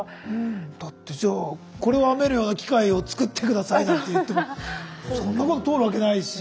だってじゃあこれを編めるような機械を作って下さいなんていってもそんなこと通るわけないし。